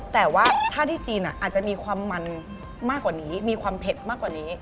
แต่ว่าถ้าที่จีนอาจจะมีความมันมากกว่านี้มีความเผ็ดมากกว่านี้